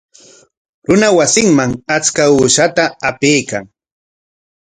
Runa wasinman achka uqshata apaykan.